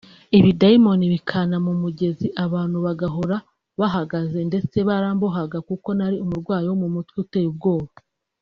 ibidayimoni bikanta mu mugezi abantu bagahora bahagaze ndetse barambohaga kuko nari (umurwayi wo mu mutwe) uteye ubwoba